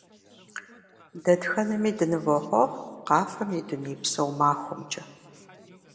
Дэтхэнэми дынывохъуэхъу Къафэм и дунейпсо махуэмкӀэ!